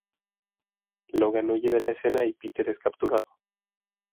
Logan huye de la escena y Peter es capturado.